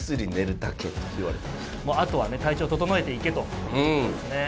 もうあとはね体調整えていけということですね。